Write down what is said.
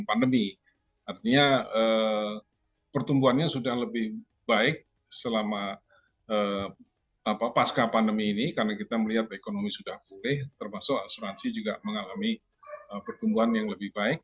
artinya pertumbuhannya sudah lebih baik selama pasca pandemi ini karena kita melihat ekonomi sudah pulih termasuk asuransi juga mengalami pertumbuhan yang lebih baik